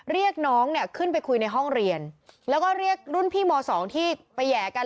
เรียกน้องเนี่ยขึ้นไปคุยในห้องเรียนแล้วก็เรียกรุ่นพี่ม๒ที่ไปแห่กัน